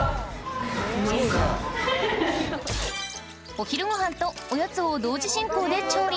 お昼ごはんとおやつを同時進行で調理。